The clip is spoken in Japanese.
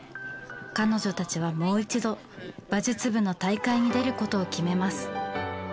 彼女たちはもう一度馬術部の大会に出ることを決めます。